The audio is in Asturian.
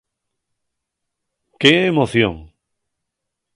¡Qué emoción!